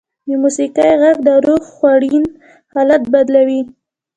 د موسیقۍ ږغ د روح خوړین حالت بدلوي.